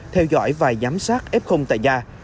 theo dõi và giám sát f tại nhà